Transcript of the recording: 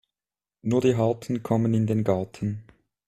Nur die Harten kommen in den Garten.